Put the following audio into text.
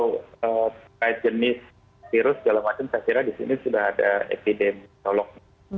terkait jenis virus segala macam saya kira di sini sudah ada epidemiolog